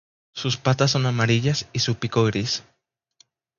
Sus patas son amarillas y su pico gris.